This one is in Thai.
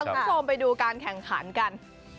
คุณผู้ชมไปดูการแข่งขันกัน